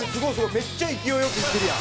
めっちゃ勢いよくいってるやん。